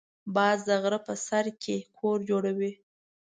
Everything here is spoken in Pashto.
باز د غره په سر کې کور جوړوي